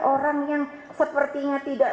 orang yang sepertinya tidak